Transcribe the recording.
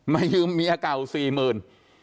ยืมเมียเก่าสี่หมื่น